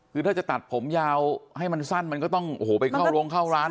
คือถ้าจะตัดผมยาวให้มันสั้นมันก็ต้องโอ้โหไปเข้าโรงเข้าร้าน